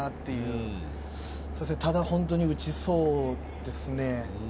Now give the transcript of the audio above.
すみません、ただ本当に打ちそうですね。